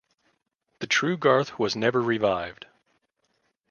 The true Garth was never revived.